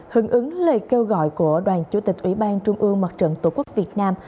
hứng ứng lời kêu gọi của đoàn chủ tịch ủy ban trung ương mặt trận tổ quốc việt nam